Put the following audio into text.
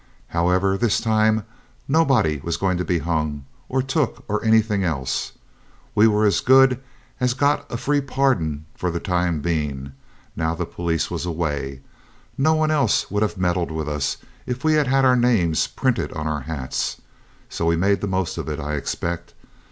However, this time nobody was going to be hung or took or anything else. We'd as good as got a free pardon for the time being, now the police was away; no one else would have meddled with us if we'd had our names printed on our hats. So we made the most of it, I expect.